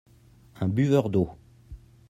Un buveur d'eau.